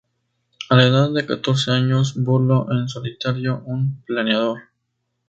A la edad de catorce años, voló en solitario un planeador.